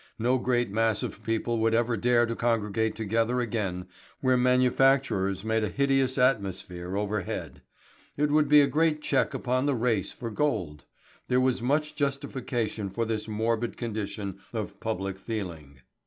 No great mass of people would ever dare to congregate together again where manufacturers made a hideous atmosphere overhead. It would be a great check upon the race for gold. There was much justification for this morbid condition of public feeling.